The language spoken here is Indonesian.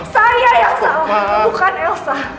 saya yang salah bukan elsa